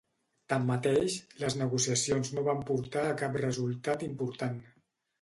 Tanmateix, les negociacions no van portar a cap resultat important.